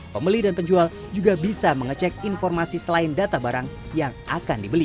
pembeli dan penjual juga bisa mengecek informasi selain data barang yang akan dibeli